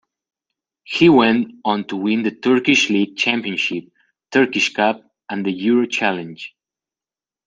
He went on to win the Turkish League championship, Turkish Cup, and the EuroChallenge.